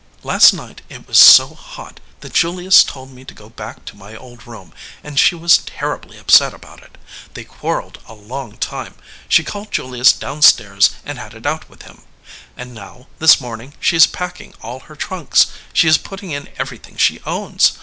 "Last night it was so hot that Julius told me to go back to my old room, and she was terribly upset about it. They quarreled a long time. She called Julius down stairs and had it out with him. And now, this morning, she is packing all her trunks. She is putting in everything she owns.